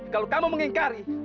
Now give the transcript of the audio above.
kalau kamu mengingkari